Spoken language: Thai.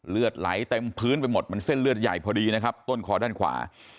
เลือดไหลเต็มพื้นไปหมดมันเส้นเลือดใหญ่พอดีนะครับต้นคอด้านขวา